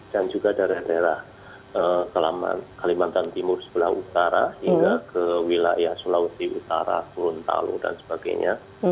dan juga daerah daerah kalimantan timur sulawesi utara hingga ke wilayah sulawesi utara turun talu dan sebagainya